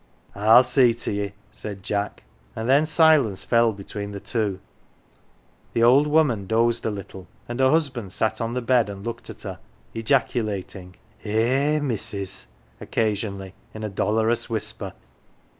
"Fll see to ye," said Jack, and then silence fell between the two. The old woman dozed a little, and her husband sat on the bed and looked at her, ejaculat ing, " Eh, missus !" occasionally, in a dolorous whisper.